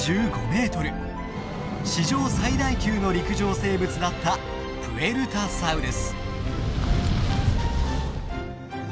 史上最大級の陸上生物だったプエルタサウルス。